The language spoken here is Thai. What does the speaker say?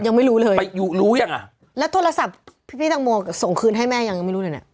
ยังไม่รู้เลยไปอยู่รู้ยังอ่ะแล้วโทรศัพท์พี่พี่ตังโมส่งคืนให้แม่ยังไม่รู้เลยเนี้ย